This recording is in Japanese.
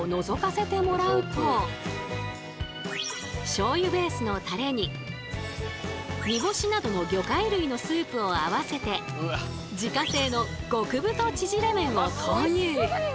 しょうゆベースのタレに煮干しなどの魚介類のスープを合わせて自家製の極太ちぢれ麺を投入。